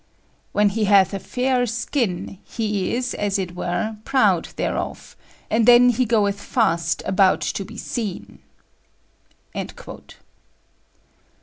"When he hath a fayre skinne, he is, as it were, prowde thereof, and then he goeth faste aboute to be seene...."